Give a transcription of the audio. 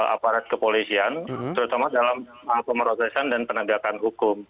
aparat kepolisian terutama dalam pemrosesan dan penegakan hukum